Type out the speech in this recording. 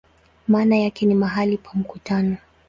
Maana yake ni "mahali pa mkutano".